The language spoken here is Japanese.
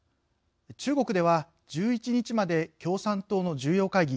中国では１１日まで共産党の重要会議